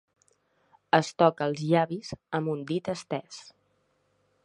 Es toca els llavis amb un dit estès.